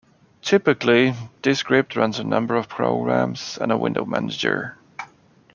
Typically, this script runs a number of programs and a window manager.